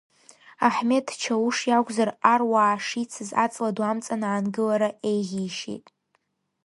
Аҳмеҭ Чауш иакәзар, аруаа шицыз аҵла ду амҵан аангылара еиӷьишьеит.